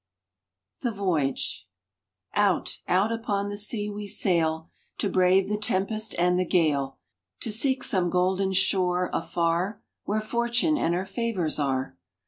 THE VOYAGE OUT, out upon the sea we sail To brave the tempest and the gale; To seek some golden shore afar Where Fortune and her favors are.